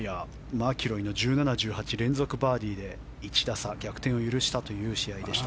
マキロイの１７、１８連続バーディーで１打差逆転を許したという試合でした。